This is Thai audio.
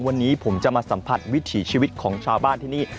วันนี้ผมจะมาสัมผัสวิถีชีวิตของชาวบ้านที่นี่